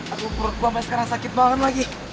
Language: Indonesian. aku perut gue sampai sekarang sakit banget lagi